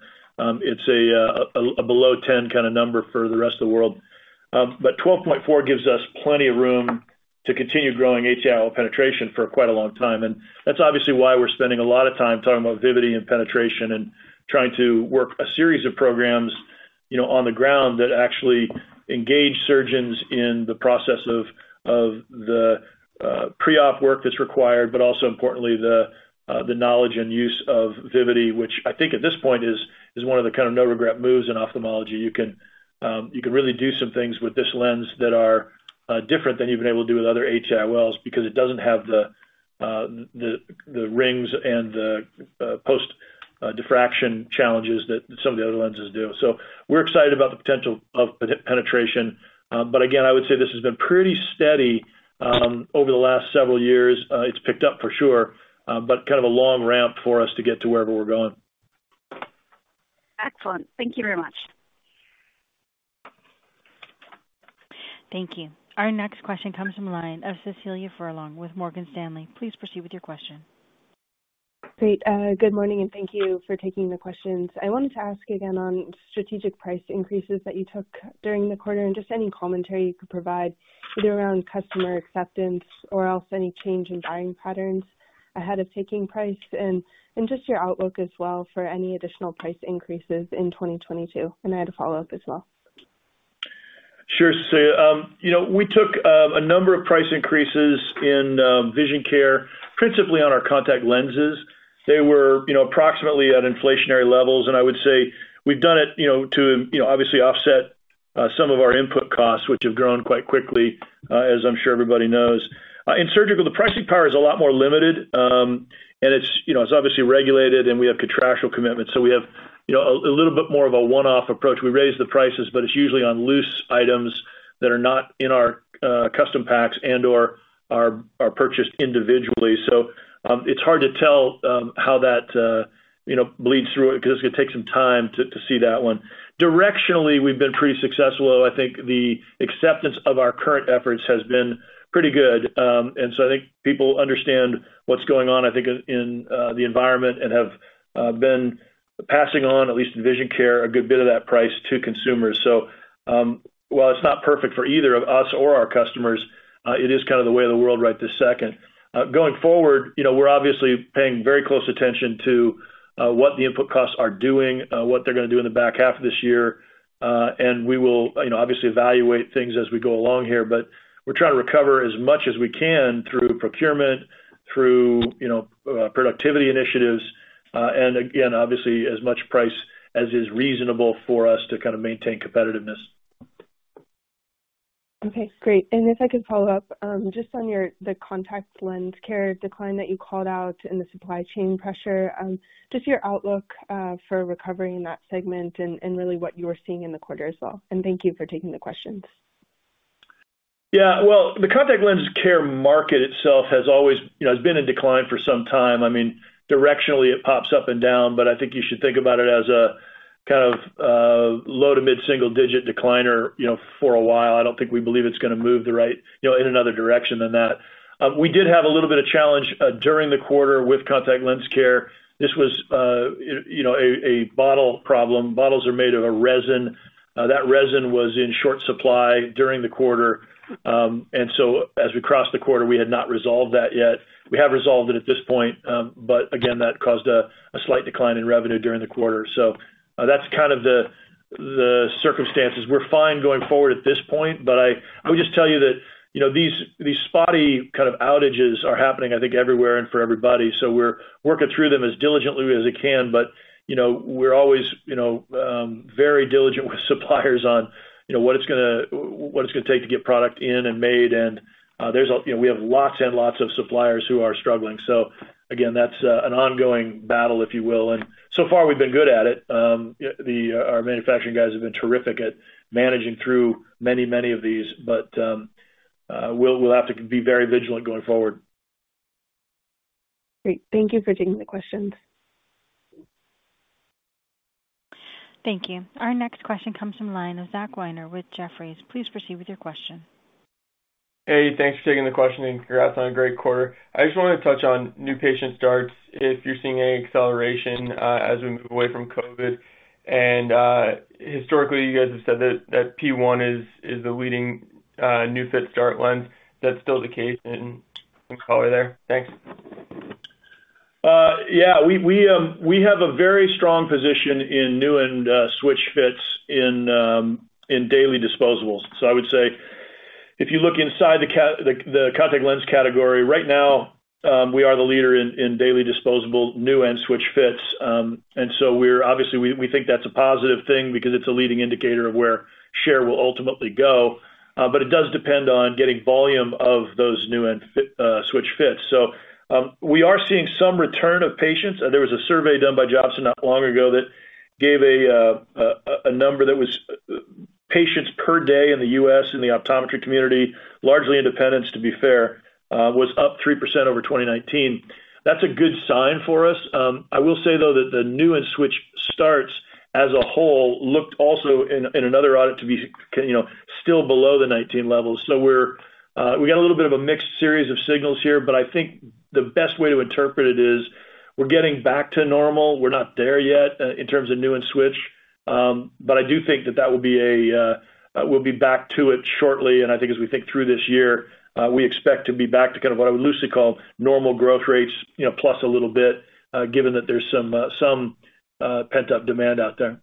S3: it's a below 10 kinda number for the rest of the world. 12.4 gives us plenty of room to continue growing HIL penetration for quite a long time. That's obviously why we're spending a lot of time talking about Vivity and penetration and trying to work a series of programs, you know, on the ground that actually engage surgeons in the process of the pre-op work that's required, but also importantly, the knowledge and use of Vivity, which I think at this point is one of the kind of no regret moves in ophthalmology. You can really do some things with this lens that are different than you've been able to do with other IOLs because it doesn't have the rings and the post-diffraction challenges that some of the other lenses do. We're excited about the potential of penetration. Again, I would say this has been pretty steady over the last several years. It's picked up for sure, but kind of a long ramp for us to get to wherever we're going.
S9: Excellent. Thank you very much.
S1: Thank you. Our next question comes from the line of Cecilia Furlong with Morgan Stanley. Please proceed with your question.
S10: Great. Good morning, and thank you for taking the questions. I wanted to ask again on strategic price increases that you took during the quarter, and just any commentary you could provide, either around customer acceptance or else any change in buying patterns ahead of taking price, and just your outlook as well for any additional price increases in 2022. I had a follow-up as well.
S3: Sure, Cecilia. You know, we took a number of price increases in vision care, principally on our contact lenses. They were, you know, approximately at inflationary levels, and I would say we've done it, you know, to, you know, obviously offset some of our input costs, which have grown quite quickly, as I'm sure everybody knows. In surgical, the pricing power is a lot more limited. It's, you know, it's obviously regulated, and we have contractual commitments, so we have, you know, a little bit more of a one-off approach. We raise the prices, but it's usually on loose items that are not in our custom packs and/or are purchased individually. It's hard to tell how that, you know, bleeds through it 'cause it's gonna take some time to see that one. Directionally, we've been pretty successful. I think the acceptance of our current efforts has been pretty good. I think people understand what's going on, I think in the environment and have been passing on, at least in vision care, a good bit of that price to consumers. While it's not perfect for either of us or our customers, it is kind of the way of the world right this second. Going forward, you know, we're obviously paying very close attention to what the input costs are doing, what they're gonna do in the back half of this year. We will, you know, obviously evaluate things as we go along here. We're trying to recover as much as we can through procurement, through, you know, productivity initiatives, and again, obviously as much price as is reasonable for us to kind of maintain competitiveness.
S10: Okay, great. If I could follow up, just on the contact lens care decline that you called out and the supply chain pressure, just your outlook for recovering that segment and really what you are seeing in the quarter as well. Thank you for taking the questions.
S3: Well, the contact lens care market itself has always, you know, has been in decline for some time. I mean, directionally it pops up and down, but I think you should think about it as a kind of low- to mid-single-digit decliner, you know, for a while. I don't think we believe it's gonna move to the right, you know, in another direction than that. We did have a little bit of challenge during the quarter with contact lens care. This was, you know, a bottle problem. Bottles are made of a resin. That resin was in short supply during the quarter. As we crossed the quarter, we had not resolved that yet. We have resolved it at this point. Again, that caused a slight decline in revenue during the quarter. That's kind of the circumstances. We're fine going forward at this point, but I would just tell you that, you know, these spotty kind of outages are happening, I think, everywhere and for everybody, so we're working through them as diligently as we can. We're always, you know, very diligent with suppliers on, you know, what it's gonna take to get product in and made. You know, we have lots and lots of suppliers who are struggling. Again, that's an ongoing battle, if you will. So far we've been good at it. Our manufacturing guys have been terrific at managing through many, many of these. We'll have to be very vigilant going forward.
S10: Great. Thank you for taking the questions.
S1: Thank you. Our next question comes from line of Zachary Weiner with Jefferies. Please proceed with your question.
S11: Hey, thanks for taking the question, and congrats on a great quarter. I just wanted to touch on new patient starts, if you're seeing any acceleration, as we move away from COVID. Historically, you guys have said that PRECISION1 is the leading new fit start lens. That's still the case? And any color there? Thanks.
S3: We have a very strong position in new and switch fits in daily disposables. I would say if you look inside the contact lens category right now, we are the leader in daily disposable new and switch fits. We obviously think that's a positive thing because it's a leading indicator of where share will ultimately go. It does depend on getting volume of those new and switch fits. We are seeing some return of patients. There was a survey done by Johnson not long ago that gave a number that patients per day in the U.S. in the optometry community, largely independents to be fair, was up 3% over 2019. That's a good sign for us. I will say, though, that the new and switch starts as a whole looked also in another audit to be, you know, still below the 2019 levels. We got a little bit of a mixed series of signals here, but I think the best way to interpret it is we're getting back to normal. We're not there yet, in terms of new and switch. But I do think that we'll be back to it shortly. I think as we think through this year, we expect to be back to kind of what I would loosely call normal growth rates, you know, plus a little bit, given that there's some pent-up demand out there.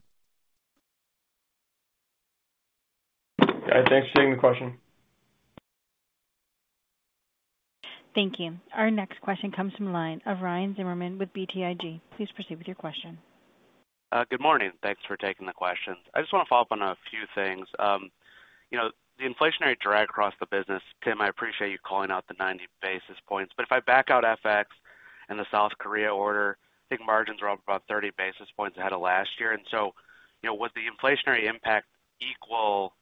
S11: Yeah, thanks for taking the question.
S1: Thank you. Our next question comes from the line of Ryan Zimmerman with BTIG. Please proceed with your question.
S12: Good morning. Thanks for taking the questions. I just want to follow up on a few things. You know, the inflationary drag across the business, Tim, I appreciate you calling out the 90 basis points, but if I back out FX and the South Korea order, I think margins are up about 30 basis points ahead of last year. You know, would the inflationary impact equal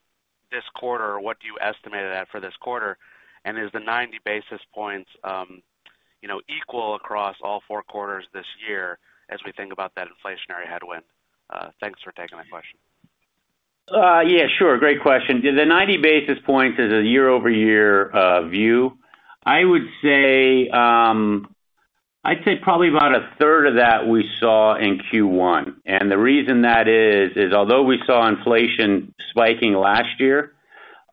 S12: this quarter, or what do you estimate it at for this quarter? Is the 90 basis points, you know, equal across all four quarters this year as we think about that inflationary headwind? Thanks for taking my question.
S4: Yeah, sure. Great question. The 90 basis points is a year-over-year view. I would say, I'd say probably about a third of that we saw in Q1. The reason that is although we saw inflation spiking last year,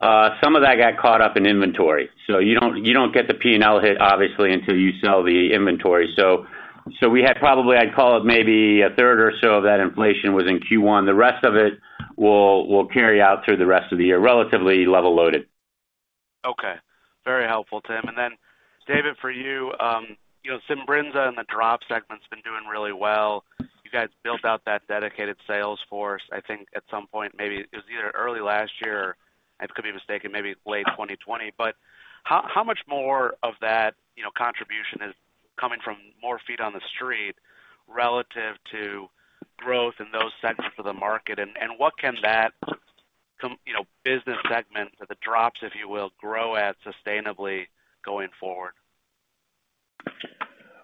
S4: some of that got caught up in inventory. You don't get the P&L hit, obviously, until you sell the inventory. We had probably, I'd call it maybe a third or so of that inflation was in Q1. The rest of it will carry out through the rest of the year, relatively level loaded.
S12: Okay. Very helpful, Tim. David, for you know, Simbrinza in the drop segment's been doing really well. You guys built out that dedicated sales force, I think at some point, maybe it was either early last year, or I could be mistaken, maybe late 2020. How much more of that, you know, contribution is coming from more feet on the street relative to growth in those segments of the market? What can that you know, business segment or the drops, if you will, grow at sustainably going forward?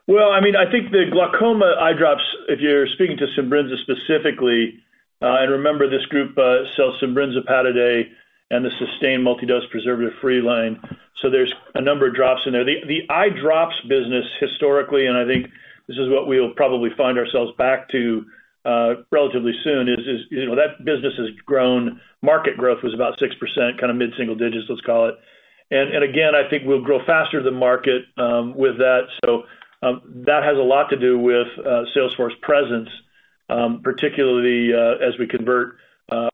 S3: Well, I mean, I think the glaucoma eye drops, if you're speaking to Simbrinza specifically, and remember this group sells Simbrinza, Pataday, and the Systane multi-dose preservative-free line. There's a number of drops in there. The eye drops business historically, and I think this is what we'll probably find ourselves back to relatively soon, is, you know, that business has grown. Market growth was about 6%, kind of mid-single digits, let's call it. Again, I think we'll grow faster than market with that. That has a lot to do with sales force presence, particularly as we convert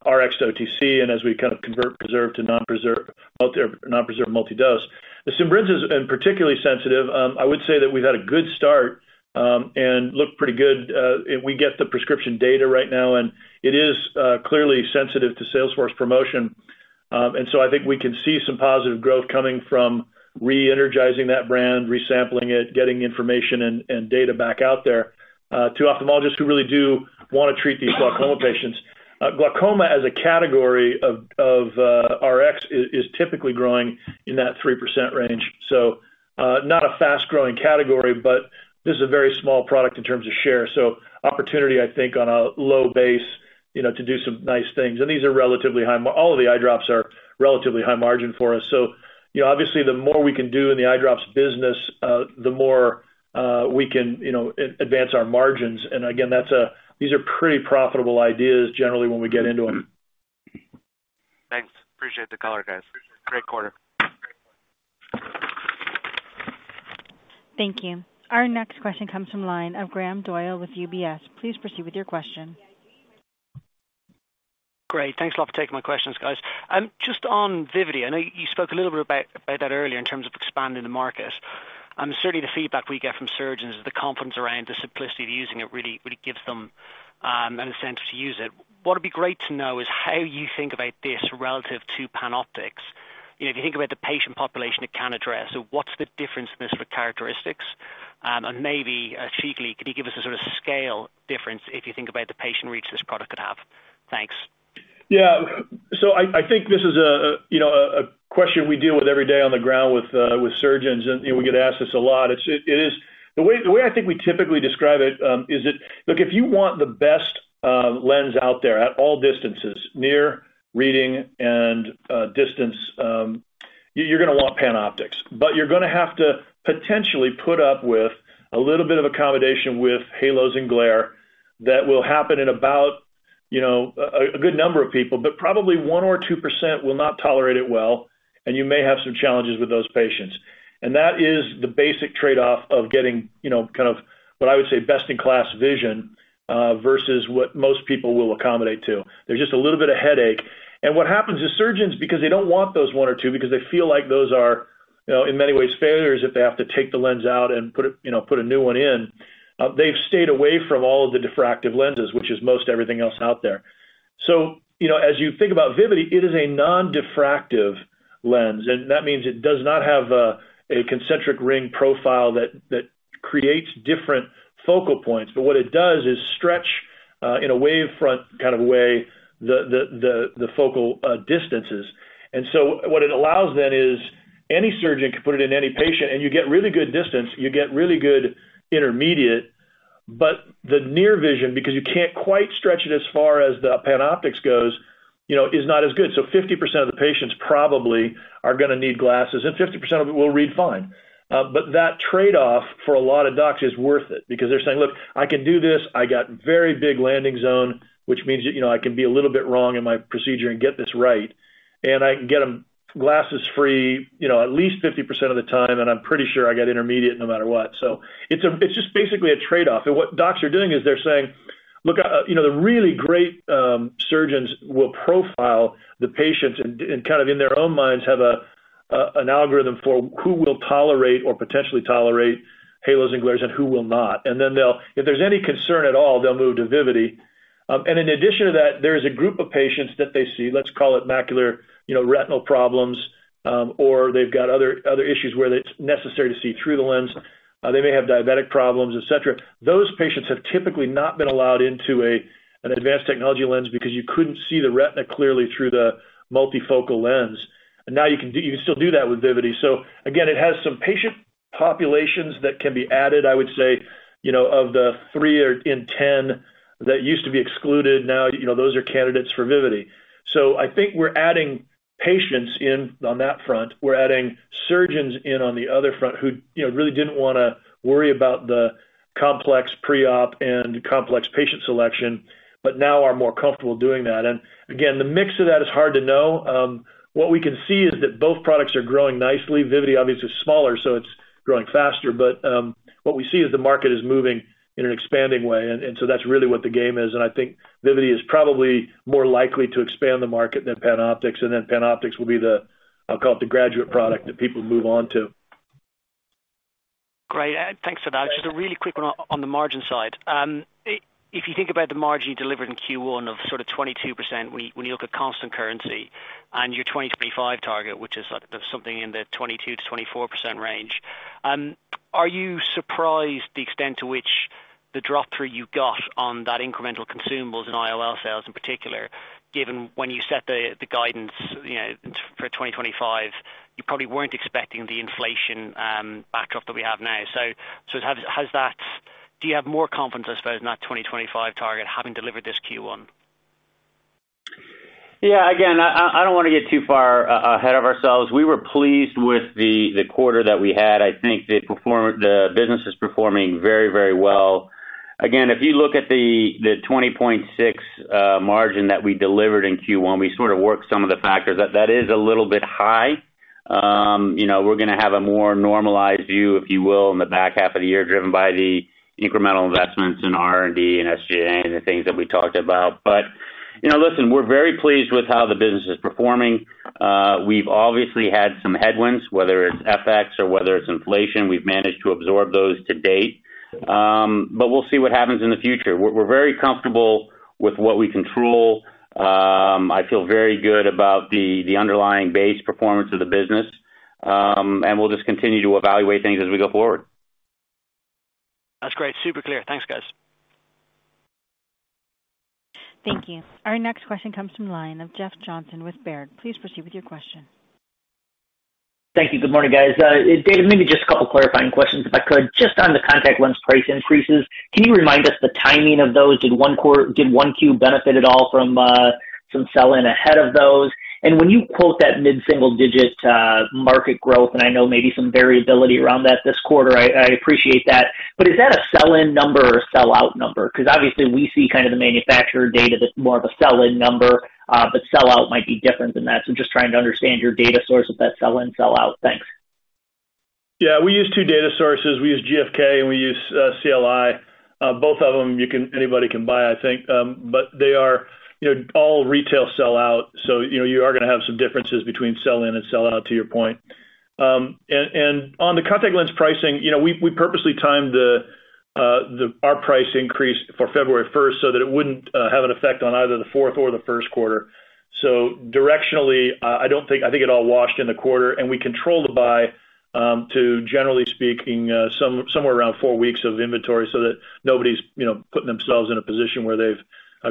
S3: RX to OTC and as we kind of convert preserve to non-preserve multi-dose. Simbrinza's been particularly sensitive. I would say that we've had a good start and look pretty good. We get the prescription data right now, and it is clearly sensitive to sales force promotion. I think we can see some positive growth coming from re-energizing that brand, resampling it, getting information and data back out there to ophthalmologists who really do wanna treat these glaucoma patients. Glaucoma as a category of RX is typically growing in that 3% range. Not a fast-growing category, but this is a very small product in terms of share. Opportunity, I think, on a low base, you know, to do some nice things. These are relatively high margin. All of the eye drops are relatively high margin for us. Obviously the more we can do in the eye drops business, the more we can, you know, advance our margins. Again, that's these are pretty profitable ideas generally when we get into them.
S12: Thanks. Appreciate the color, guys. Great quarter.
S1: Thank you. Our next question comes from the line of Graham Doyle with UBS. Please proceed with your question.
S13: Great. Thanks a lot for taking my questions, guys. Just on Vivity, I know you spoke a little bit about that earlier in terms of expanding the market. Certainly the feedback we get from surgeons is the confidence around the simplicity of using it really gives them an incentive to use it. What would be great to know is how you think about this relative to PanOptix. You know, if you think about the patient population it can address, what's the difference in the characteristics? Maybe, cheekily, could you give us a sort of scale difference if you think about the patient reach this product could have? Thanks.
S3: Yeah. I think this is a, you know, a question we deal with every day on the ground with surgeons, and, you know, we get asked this a lot. The way I think we typically describe it is that, look, if you want the best lens out there at all distances, near reading and distance, you're gonna want PanOptix. But you're gonna have to potentially put up with a little bit of accommodation with halos and glare that will happen in about a good number of people, but probably 1% or 2% will not tolerate it well, and you may have some challenges with those patients. That is the basic trade-off of getting, you know, kind of what I would say, best in class vision versus what most people will accommodate to. There's just a little bit of headache. What happens is surgeons, because they don't want those one or two because they feel like those are, you know, in many ways failures if they have to take the lens out and put it, you know, put a new one in, they've stayed away from all of the diffractive lenses, which is most everything else out there. You know, as you think about Vivity, it is a non-diffractive lens, and that means it does not have a concentric ring profile that it creates different focal points, but what it does is stretch in a wavefront kind of way the focal distances. What it allows then is any surgeon can put it in any patient and you get really good distance, you get really good intermediate, but the near vision, because you can't quite stretch it as far as the PanOptix goes, you know, is not as good. So 50% of the patients probably are gonna need glasses, and 50% of it will read fine. But that trade-off for a lot of doctors is worth it because they're saying, "Look, I can do this. I got very big landing zone, which means, you know, I can be a little bit wrong in my procedure and get this right, and I can get them glasses free, you know, at least 50% of the time, and I'm pretty sure I get intermediate no matter what." So it's just basically a trade off. What doctors are doing is they're saying, look, you know, the really great surgeons will profile the patients and kind of in their own minds, have an algorithm for who will tolerate or potentially tolerate halos and glares and who will not. Then if there's any concern at all, they'll move to Vivity. In addition to that, there is a group of patients that they see, let's call it macular, you know, retinal problems, or they've got other issues where it's necessary to see through the lens. They may have diabetic problems, et cetera. Those patients have typically not been allowed into an advanced technology lens because you couldn't see the retina clearly through the multifocal lens. Now you can still do that with Vivity. Again, it has some patient populations that can be added, I would say, you know, of the three or four in ten that used to be excluded. Now, you know, those are candidates for Vivity. I think we're adding patients in on that front. We're adding surgeons in on the other front who, you know, really didn't wanna worry about the complex pre-op and complex patient selection, but now are more comfortable doing that. Again, the mix of that is hard to know. What we can see is that both products are growing nicely. Vivity obviously is smaller, so it's growing faster. What we see is the market is moving in an expanding way. And so that's really what the game is. I think Vivity is probably more likely to expand the market than PanOptix. PanOptix will be the, I'll call it the graduate product that people move on to.
S13: Great. Thanks for that. Just a really quick one on the margin side. If you think about the margin you delivered in Q1 of sort of 22% when you look at constant currency and your 2025 target, which is something in the 22% to 24% range, are you surprised the extent to which the drop through you got on that incremental consumables and IOL sales in particular, given when you set the guidance, you know, for 2025, you probably weren't expecting the inflation backdrop that we have now. Has that do you have more confidence, I suppose, in that 2025 target having delivered this Q1?
S4: Yeah. Again, I don't want to get too far ahead of ourselves. We were pleased with the quarter that we had. I think the business is performing very, very well. Again, if you look at the 20.6% margin that we delivered in Q1, we sort of worked some of the factors. That is a little bit high. You know, we're gonna have a more normalized view, if you will, in the back half of the year, driven by the incremental investments in R&D and SG&A and the things that we talked about. You know, listen, we're very pleased with how the business is performing. We've obviously had some headwinds, whether it's FX or whether it's inflation. We've managed to absorb those to date. We'll see what happens in the future. We're very comfortable with what we control. I feel very good about the underlying base performance of the business, and we'll just continue to evaluate things as we go forward.
S13: That's great. Super clear. Thanks, guys.
S1: Thank you. Our next question comes from the line of Jeff Johnson with Baird. Please proceed with your question.
S14: Thank you. Good morning, guys. David, maybe just a couple clarifying questions, if I could. Just on the contact lens price increases, can you remind us the timing of those? Did 1Q benefit at all from some sell-in ahead of those? And when you quote that mid-single digit market growth, and I know maybe some variability around that this quarter, I appreciate that. But is that a sell-in number or a sellout number? Because obviously we see kind of the manufacturer data that's more of a sell-in number, but sellout might be different than that. Just trying to understand your data source with that sell-in, sell out. Thanks.
S3: Yeah, we use two data sources. We use GfK and we use CLI. Both of them anybody can buy, I think. They are, you know, all retail sell-out, so, you know, you are gonna have some differences between sell-in and sell-out to your point. On the contact lens pricing, you know, we purposely timed our price increase for February first so that it wouldn't have an effect on either the fourth or the Q1. Directionally, I think it all washed in the quarter and we controlled the buy to generally speaking somewhere around four weeks of inventory so that nobody's, you know, putting themselves in a position where they've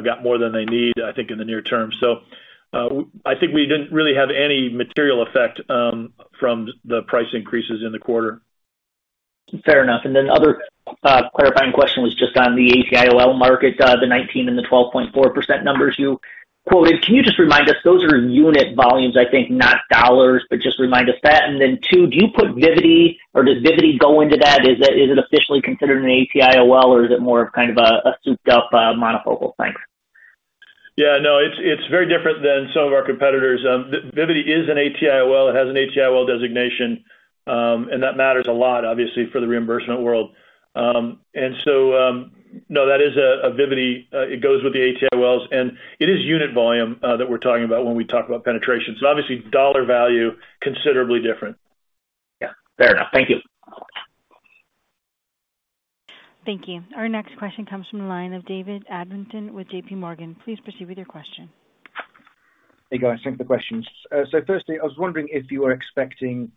S3: got more than they need, I think, in the near term. I think we didn't really have any material effect from the price increases in the quarter.
S14: Fair enough. Other clarifying question was just on the ATIOL market, the 19% and the 12.4% numbers you quoted. Can you just remind us, those are unit volumes, I think, not dollars, but just remind us that. Two, do you put Vivity or does Vivity go into that? Is it officially considered an ATIOL, or is it more of kind of a souped up monofocal? Thanks.
S3: Yeah. No, it's very different than some of our competitors. Vivity is an ATIOL. It has an ATIOL designation, and that matters a lot, obviously, for the reimbursement world. No, that is a Vivity. It goes with the ATIOLs, and it is unit volume that we're talking about when we talk about penetration. Obviously dollar value, considerably different.
S14: Yeah. Fair enough. Thank you.
S1: Thank you. Our next question comes from the line of David Adlington with J.P. Morgan. Please proceed with your question.
S15: Hey guys, thanks for the questions. So firstly, I was wondering if you were expecting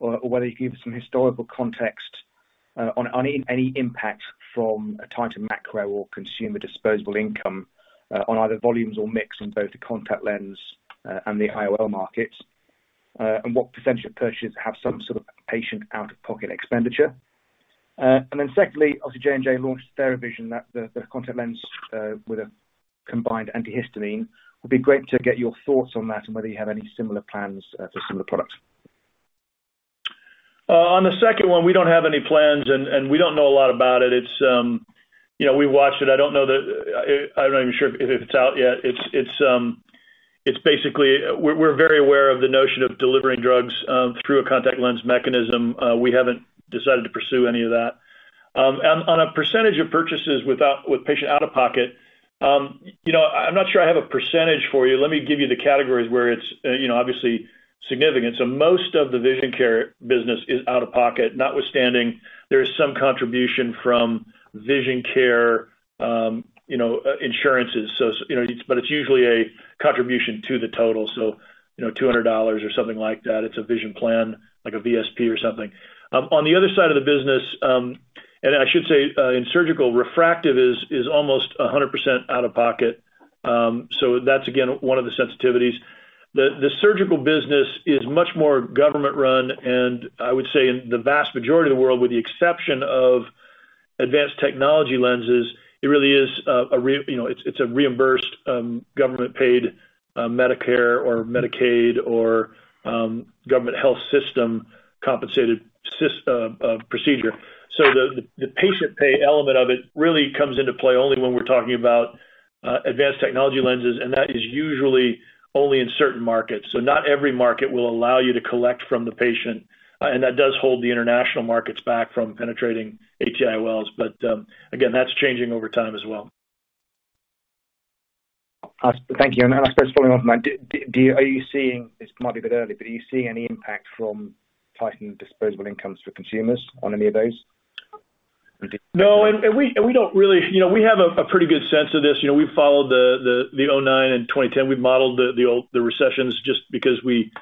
S15: or whether you could give some historical context on any impact from a tighter macro or consumer disposable income on either volumes or mix in both the contact lens and the IOL markets. What percentage of purchasers have some sort of patient out-of-pocket expenditure. Secondly, obviously J&J launched their Vision, the contact lens with a combined antihistamine. Would be great to get your thoughts on that and whether you have any similar plans for similar products.
S3: On the second one, we don't have any plans and we don't know a lot about it. It's, you know, we watched it. I don't know that. I'm not even sure if it's out yet. It's basically we're very aware of the notion of delivering drugs through a contact lens mechanism. We haven't decided to pursue any of that. On a percentage of purchases with patient out-of-pocket, you know, I'm not sure I have a percentage for you. Let me give you the categories where it's, you know, obviously significant. Most of the vision care business is out-of-pocket, notwithstanding there is some contribution from vision care insurances. But it's usually a contribution to the total. You know, $200 or something like that. It's a vision plan, like a VSP or something. On the other side of the business, and I should say, in surgical, refractive is almost 100% out-of-pocket. That's again, one of the sensitivities. The surgical business is much more government-run, and I would say in the vast majority of the world, with the exception of advanced technology lenses, it really is, you know, it's a reimbursed, government paid, Medicare or Medicaid or, government health system compensated procedure. The patient pay element of it really comes into play only when we're talking about, advanced technology lenses, and that is usually only in certain markets. Not every market will allow you to collect from the patient. That does hold the international markets back from penetrating ATIOLs. Again, that's changing over time as well.
S15: Thank you. I suppose following on from that, are you seeing, this might be a bit early, but are you seeing any impact from tightened disposable incomes for consumers on any of those?
S3: No. We don't really. You know, we have a pretty good sense of this. You know, we followed the 2009 and 2010. We've modeled the old recessions just because we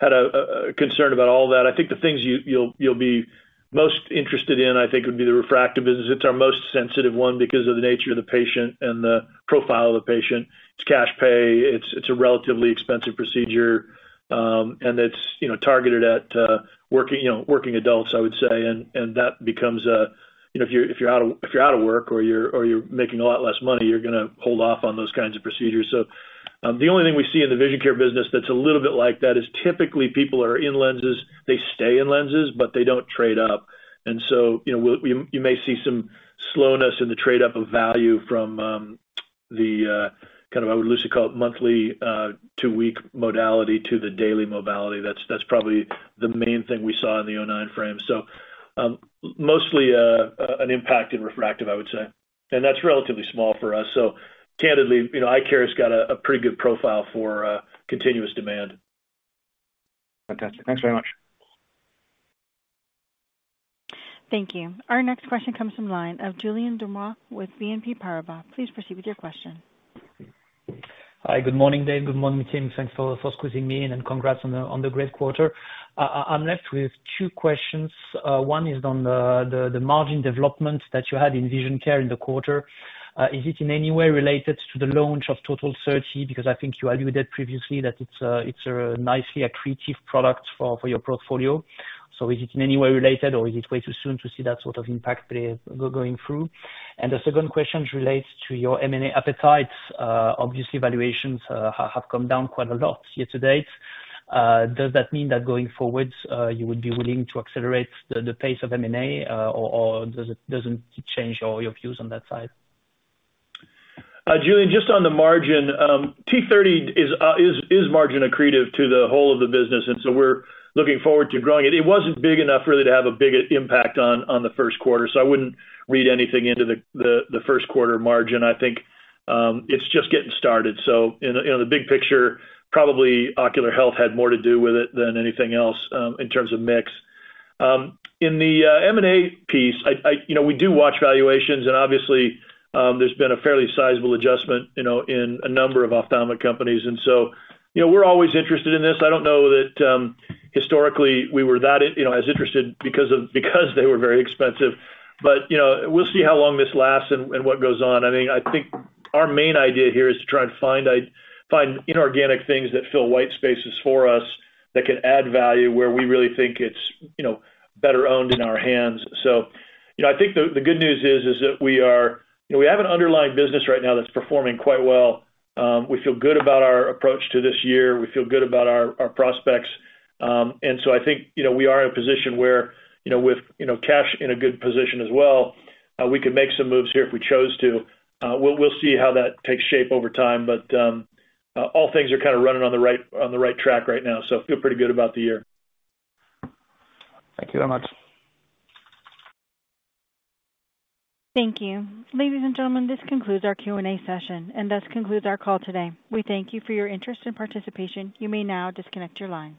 S3: had a concern about all that. I think the things you'll be most interested in, I think, would be the refractive business. It's our most sensitive one because of the nature of the patient and the profile of the patient. It's cash pay. It's a relatively expensive procedure, and it's targeted at working adults, I would say. That becomes, you know, if you're out of work or you're making a lot less money, you're gonna hold off on those kinds of procedures. The only thing we see in the vision care business that's a little bit like that is typically people are in lenses, they stay in lenses, but they don't trade up. You know, you may see some slowness in the trade up of value from the kind of, I would loosely call it monthly two-week modality to the daily modality. That's probably the main thing we saw in the 2009 frame. Mostly an impact in refractive, I would say. That's relatively small for us. Candidly, you know, eye care's got a pretty good profile for continuous demand.
S15: Fantastic. Thanks very much.
S1: Thank you. Our next question comes from line of Julien Ouaddour with BNP Paribas. Please proceed with your question.
S16: Hi. Good morning, Dave. Good morning, team. Thanks for squeezing me in, and congrats on the great quarter. I'm left with two questions. One is on the margin development that you had in vision care in the quarter. Is it in any way related to the launch of TOTAL30? Because I think you alluded previously that it's a nicely accretive product for your portfolio. Is it in any way related, or is it way too soon to see that sort of impact there going through? The second question relates to your M&A appetite. Obviously valuations have come down quite a lot year to date. Does that mean that going forward, you would be willing to accelerate the pace of M&A, or does it not change all your views on that side?
S3: Julien, just on the margin, T30 is margin accretive to the whole of the business, and so we're looking forward to growing it. It wasn't big enough really to have a big impact on the Q1, so I wouldn't read anything into the Q1 margin. I think it's just getting started. In the big picture, probably ocular health had more to do with it than anything else, in terms of mix. In the M&A piece, I you know, we do watch valuations, and obviously, there's been a fairly sizable adjustment, you know, in a number of ophthalmic companies. We're always interested in this. I don't know that historically we were that you know, as interested because they were very expensive. You know, we'll see how long this lasts and what goes on. I mean, I think our main idea here is to try and find inorganic things that fill white spaces for us, that can add value where we really think it's, you know, better owned in our hands. You know, I think the good news is that we are. You know, we have an underlying business right now that's performing quite well. We feel good about our approach to this year. We feel good about our prospects. I think, you know, we are in a position where, you know, with, you know, cash in a good position as well, we can make some moves here if we chose to. We'll see how that takes shape over time, but all things are kind of running on the right track right now, so feel pretty good about the year.
S16: Thank you very much.
S1: Thank you. Ladies and gentlemen, this concludes our Q&A session and thus concludes our call today. We thank you for your interest and participation. You may now disconnect your line.